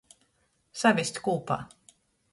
Savest kūpā.